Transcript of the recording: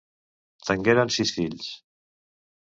Tengueren sis fills.